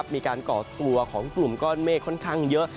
ก่อตัวของกลุ่มก้อนเมฆค่อนข้างเยอะ